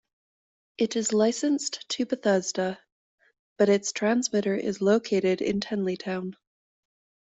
It is licensed to Bethesda, but its transmitter is located in Tenleytown.